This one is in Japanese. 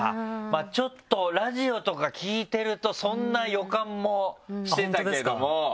ちょっとラジオとか聴いてるとそんな予感もしてたけども。